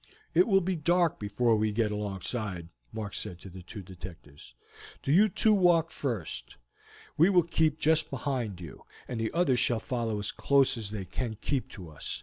"It will be dark before we get alongside," Mark said to the two detectives. "Do you two walk first; we will keep just behind you, and the others shall follow as close as they can keep to us.